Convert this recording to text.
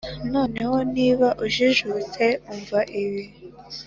noneho niba ujijutse umva ibi,